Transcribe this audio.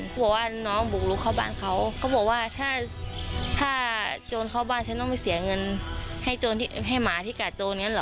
เขาบอกว่าน้องบุกลุกเข้าบ้านเขาก็บอกว่าถ้าโจรเข้าบ้านฉันต้องไปเสียเงินให้หมาที่กัดโจรอย่างนี้เหรอ